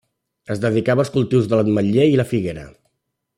Es dedicava als cultius de l'ametler i la figuera.